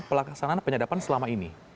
pelaksanaan penyadapan selama ini